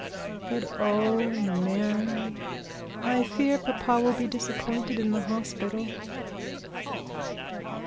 But, oh Mary, I fear papa will be disappointed in the hospital.'